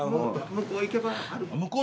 向こうの方行けばある？